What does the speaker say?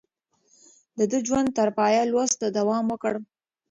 ده د ژوند تر پايه لوست ته دوام ورکړ.